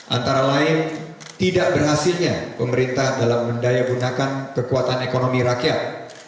antara lain tidak berhasilnya pemerintah dalam mendayagunakan kekuatan ekonomi rakyat